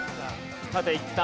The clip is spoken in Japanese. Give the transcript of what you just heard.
縦いった。